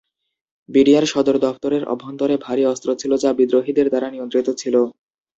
BDR সদর দফতরের অভ্যন্তরে ভারী অস্ত্র ছিল যা বিদ্রোহীদের দ্বারা নিয়ন্ত্রিত ছিল।